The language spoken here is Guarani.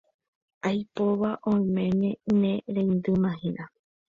Aipóva oiméne ne reindymahína.